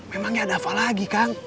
memangnya ada apa lagi kang